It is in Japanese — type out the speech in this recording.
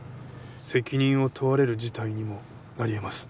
責任を問われる事態にもなり得ます。